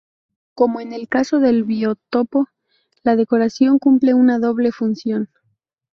Como en el caso del biotopo, la decoración cumple una doble función.